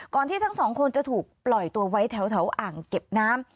ที่ทั้งสองคนจะถูกปล่อยตัวไว้แถวอ่างเก็บน้ำ